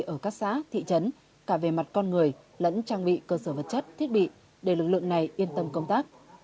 ở các xã thị trấn cả về mặt con người lẫn trang bị cơ sở vật chất thiết bị để lực lượng này yên tâm công tác